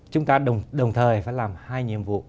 chúng ta đồng thời phải làm hai nhiệm vụ